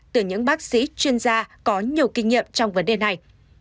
từ những bác sĩ chuyên gia có nhiều kinh nghiệm trong vấn đề này